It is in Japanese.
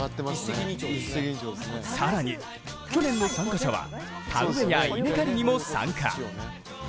更に去年の参加者は田植えや稲刈りにも参加。